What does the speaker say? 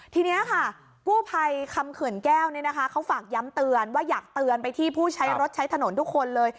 ทีนี้ค่ะกู้ภัยคำเขื่อนแก้วเขาฝากย้ำเตือนว่าอยากเตือนไปที่ผู้ใช้รถใช้ถนนทุกคนเลย